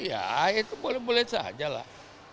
ya itu boleh boleh saja lah